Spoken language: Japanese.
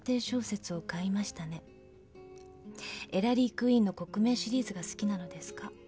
「エラリー・クイーンの国名シリーズが好きなのですか？」